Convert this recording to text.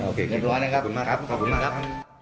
โอเคเรียบร้อยแล้วครับขอบคุณมากครับ